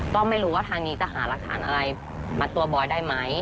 ก็ไม่รู้ว่าทางนี้จะหารักฐานอะไรมัดตัวบอยได้ไหม